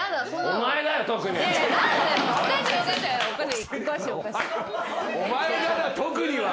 「お前がだ特に」は。